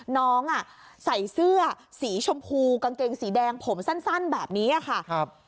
น้องใส่เสื้อสีชมพูกางเกงสีแดงผมสั้นแบบนี้ค่ะ